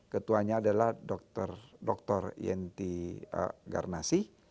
ketuanya adalah dr yenti garnasi